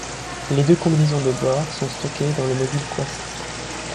Les deux combinaisons de bord sont stockées dans le module Quest.